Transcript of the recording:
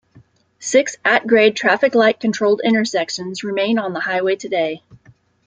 Six at-grade traffic-light controlled intersections remain on the highway today.